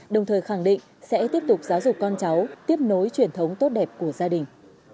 đồng thời khẳng định sẽ tiếp tục giáo dục con cháu tiếp nối truyền thống tốt đẹp của gia đình